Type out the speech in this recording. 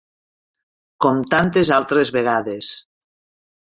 Com tantes altres vegades.